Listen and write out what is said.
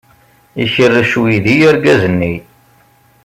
Ikerrec uydi argaz-nni.